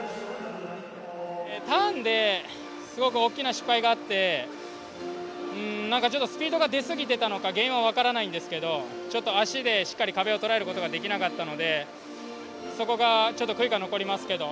ターンですごく大きな失敗があってなんかちょっとスピードが出すぎてたのか原因は分からないんですけど足で、しっかり壁をとらえることができなかったのでそこが、ちょっと悔いが残りますけど。